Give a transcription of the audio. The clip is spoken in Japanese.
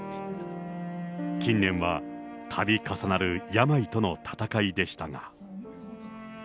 近年はたび重なる病との闘いでしたが。